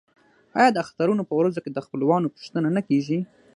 آیا د اخترونو په ورځو کې د خپلوانو پوښتنه نه کیږي؟